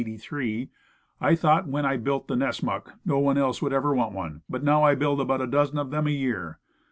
18, '83: "I thought when I built the Nessmuk, no one else would ever want one. But I now build about a dozen of them a year.